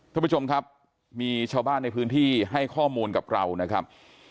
ท่านผู้ชมครับมีชาวบ้านในพื้นที่ให้ข้อมูลกับเรานะครับ